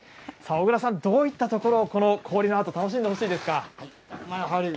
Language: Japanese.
小倉さん、どういったところ、この氷のアート、楽しんでほしいですか？